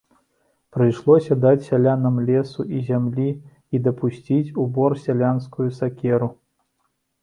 Прыйшлося даць сялянам лесу і зямлі і дапусціць у бор сялянскую сякеру.